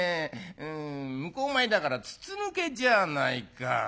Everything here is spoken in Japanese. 向こう前だから筒抜けじゃないか。